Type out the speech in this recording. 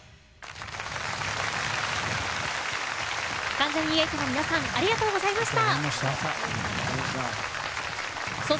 関ジャニ∞の皆さんありがとうございました。